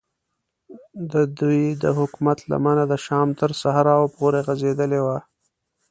ددوی د حکومت لمنه د شام تر صحراو پورې غځېدلې وه.